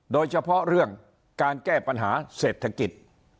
โดยเฉพาะเรื่องการแก้ปัญหาเศรษฐกิจ